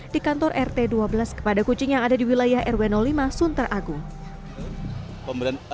di kantor rt dua belas kepada kucing yang ada di wilayah rw lima sunter agung